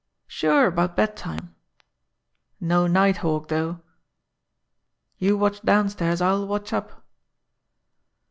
,.. Sure, about bedtime. ... No night hawk, though. ... You watch downstairs, I'll watch up.